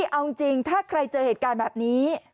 เอาจริงถ้าใครเจอเหตุการณ์แบบนี้